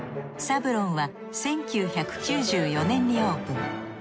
サブロンは１９９４年にオープン。